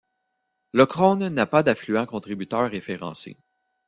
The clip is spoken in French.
Le Crône n'a pas d'affluent contributeur référencé.